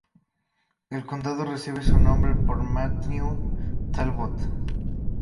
El condado recibe su nombre por Matthew Talbot.